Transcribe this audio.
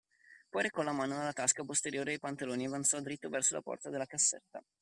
Poi recò la mano alla tasca posteriore dei pantaloni e avanzò diritto verso la porta della casetta.